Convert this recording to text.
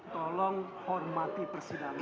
tolong hormati persidangan